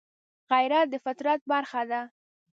غیرت د فطرت برخه ده